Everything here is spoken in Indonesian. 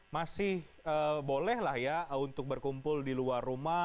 masih bolehlah ya untuk berkumpul di luar rumah